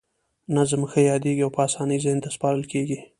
نظم ښه یادیږي او په اسانۍ ذهن ته سپارل کیږي.